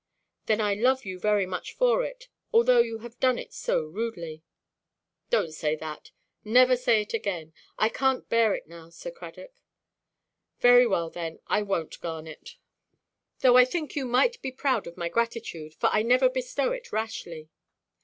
"Then I love you very much for it; although you have done it so rudely." "Donʼt say that. Never say it again. I canʼt bear it now, Sir Cradock." "Very well, then, I wonʼt, Garnet. Though I think you might be proud of my gratitude; for I never bestow it rashly."